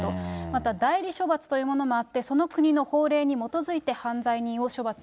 また、代理処罰ということもあって、その国の法令に基づいて犯罪